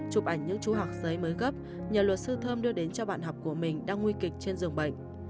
chụp ảnh những chú học giấy mới gấp nhờ luật sư thơm đưa đến cho bạn học của mình đang nguy kịch trên giường bệnh